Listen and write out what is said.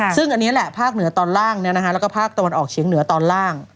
ซึ่งอันนี้แหละภาคเหนือตอนล่างแล้วก็ภาคตะวันออกเฉียงเหนือตอนล่าง